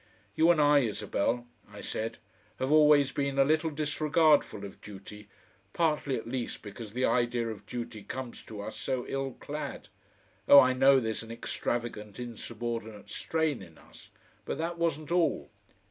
"You and I, Isabel," I said, "have always been a little disregardful of duty, partly at least because the idea of duty comes to us so ill clad. Oh! I know there's an extravagant insubordinate strain in us, but that wasn't all.